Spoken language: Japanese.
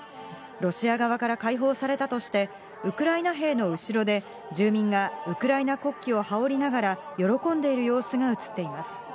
ロシア側から解放されたとして、ウクライナ兵の後ろで、住民がウクライナ国旗を羽織りながら、喜んでいる様子がうつっています。